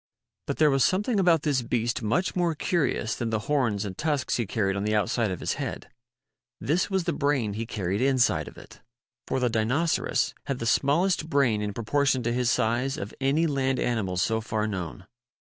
But there was something about this beast much more curious than the horns and tusks he carried 89 90 MIGHTY ANIMALS on the outside of his head. This was the brain he carried inside of it. For the Dinoceras had the small est brain in proportion to his size of any land animal so far known.